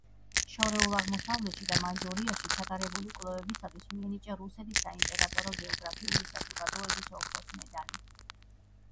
შორეულ აღმოსავლეთში და მანჯურიაში ჩატარებული კვლევებისათვის მიენიჭა რუსეთის საიმპერატორო გეოგრაფიული საზოგადოების ოქროს მედალი.